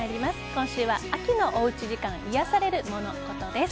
今週は、秋のおうち時間いやされるモノ・コトです。